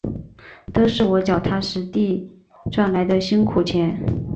都是我脚踏实地赚来的辛苦钱